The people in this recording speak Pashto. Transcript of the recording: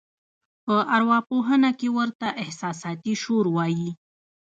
په اروا پوهنه کې ورته احساساتي شور وایي.